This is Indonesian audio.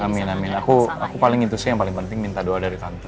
amin amin aku aku paling itu sih yang paling penting minta doa dari tante